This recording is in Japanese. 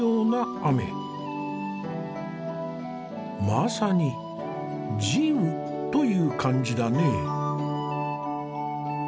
まさに「慈雨」という感じだね。